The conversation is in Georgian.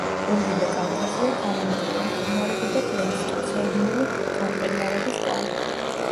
ორივე კალთაზეა თანამედროვე მყინვარები და პლეისტოცენური გამყინვარების კვალი.